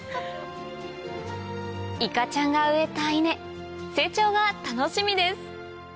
いかちゃんが植えた稲成長が楽しみです